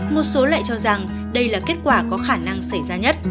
một số lại cho rằng đây là kết quả có khả năng xảy ra nhất